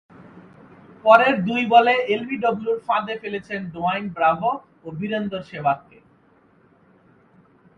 পরের দুই বলে এলবিডব্লুর ফাঁদে ফেলেছেন ডোয়াইন ব্রাভো ও বীরেন্দর শেবাগকে।